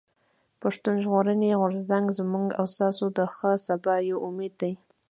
پښتون ژغورني غورځنګ زموږ او ستاسو د ښه سبا يو امېد دی.